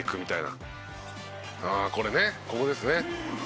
「ああこれねここですね」